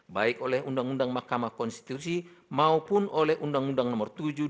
baik oleh undang undang mahkamah konstitusi maupun oleh undang undang nomor tujuh dua ribu